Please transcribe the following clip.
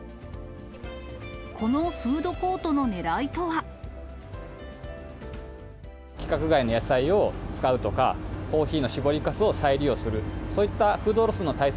このフードコートのねらいと規格外の野菜を使うとか、コーヒーの搾りかすを再利用する、そういったフードロスの対策